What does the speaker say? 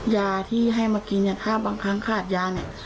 ยาที่ให้มากินเนี่ยถ้าบางครั้งขาดยาเนี่ย